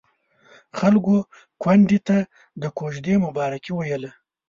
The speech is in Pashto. خلکو کونډې ته د کوژدې مبارکي ويله.